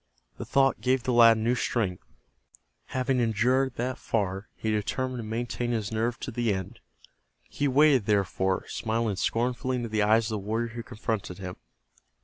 The thought gave the lad new strength. Having endured that far, he determined to maintain his nerve to the end. He waited, therefore, smiling scornfully into the eyes of the warrior who confronted him.